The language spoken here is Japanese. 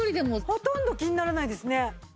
ほとんど気にならないですね。